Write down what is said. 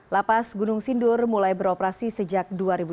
lapas gunung sindur mulai beroperasi sejak dua ribu tujuh belas